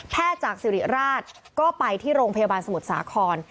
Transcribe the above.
จากสิริราชก็ไปที่โรงพยาบาลสมุทรสาคร